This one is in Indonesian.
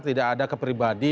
tidak ada keperibadi